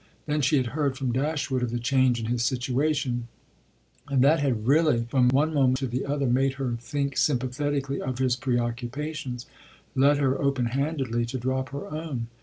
Then she had heard from Dashwood of the change in his situation, and that had really from one moment to the other made her think sympathetically of his preoccupations led her open handedly to drop her own.